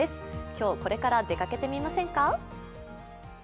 今日、これから出かけてみませんか？